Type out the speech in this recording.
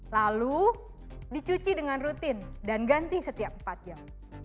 lalu dicuci dengan rutin dan ganti setiap empat jam